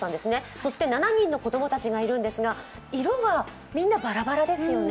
そして７人の子供たちがいるんですが、色がみんなバラバラですよね。